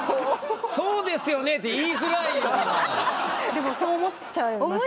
でもそう思っちゃいますよね。